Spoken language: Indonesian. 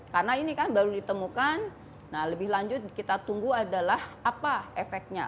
karena ini kan baru ditemukan lebih lanjut kita tunggu adalah apa efeknya